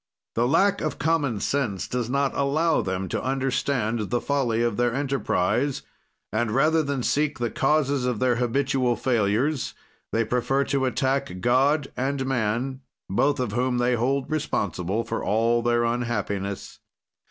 "The lack of common sense does not allow them to understand the folly of their enterprise, and rather than seek the causes of their habitual failures, they prefer to attack God and man, both of whom they hold responsible for all their unhappiness.